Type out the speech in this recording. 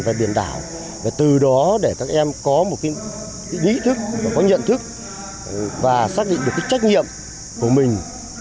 về biển đảo từ đó để các em có một ý thức có nhận thức và xác định được trách nhiệm của mình